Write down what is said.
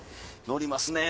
乗りますね